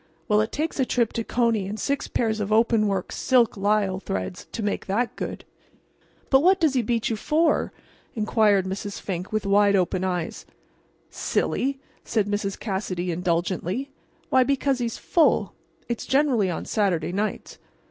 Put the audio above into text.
—well, it takes a trip to Coney and six pairs of openwork, silk lisle threads to make that good." "But what does he beat you for?" inquired Mrs. Fink, with wide open eyes. "Silly!" said Mrs. Cassidy, indulgently. "Why, because he's full. It's generally on Saturday nights."